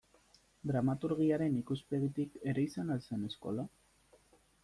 Dramaturgiaren ikuspegitik ere izan al zen eskola?